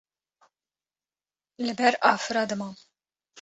li ber afira dimam